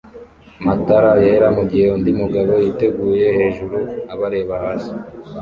matara yera mugihe undi mugabo yiteguye hejuru abareba hasi